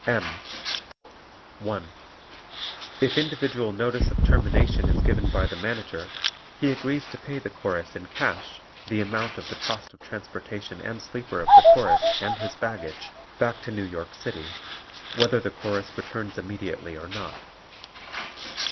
M. (1) If individual notice of termination is given by the Manager, he agrees to pay the Chorus in cash the amount of the cost of transportation and sleeper of the Chorus and his baggage back to New York City, whether the Chorus returns immediately or not.